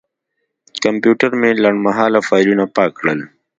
کمپیوټر مې لنډمهاله فایلونه پاک کړل.